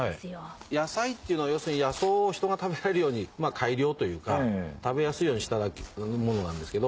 野菜っていうのは要するに野草を人が食べられるように改良というか食べやすいようにしたものなんですけど。